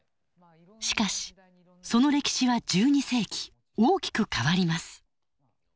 しかしその歴史は１２世紀大きく変わります。